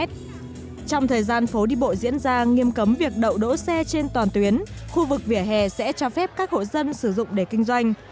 trong thời gian phố đi bộ diễn ra nghiêm cấm việc đậu đỗ xe trên toàn tuyến khu vực vỉa hè sẽ cho phép các hộ dân sử dụng để kinh doanh